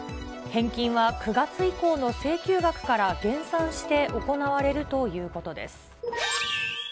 返金は９月以降の請求額から減算して行われるということです。